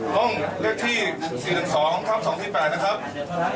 ต้องเลือกที่๔๑๒๒๒๘นะครับ